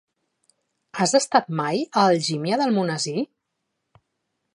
Has estat mai a Algímia d'Almonesir?